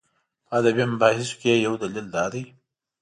په ادبي مباحثو کې یې یو دلیل دا دی.